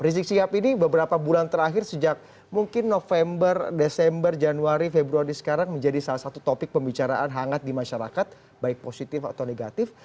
rizik sihab ini beberapa bulan terakhir sejak mungkin november desember januari februari sekarang menjadi salah satu topik pembicaraan hangat di masyarakat baik positif atau negatif